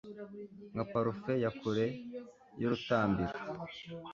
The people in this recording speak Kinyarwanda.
Nka parufe ya kure y'urutambiro